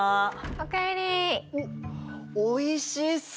おっおいしそう！